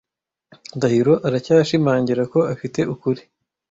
Ndahiro aracyashimangira ko afite ukuri.